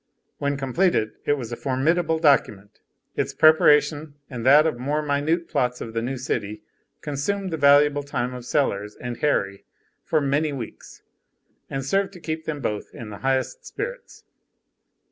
When completed it was a formidable document. Its preparation and that of more minute plots of the new city consumed the valuable time of Sellers and Harry for many weeks, and served to keep them both in the highest spirits.